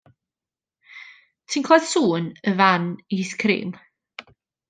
Ti'n clywad sŵn y fan eiscrîm?